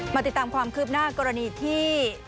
มาติดตามความคืบหน้ากรณีที่